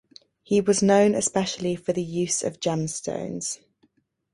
He was known especially for the use of gemstones.